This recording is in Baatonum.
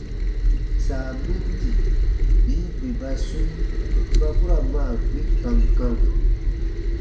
Saa min di bii bè ba swĩi ba k u ra maa gbi kam kam.